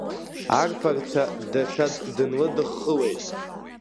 Арԥарцәа даҽаӡә дынлыдыххылеит…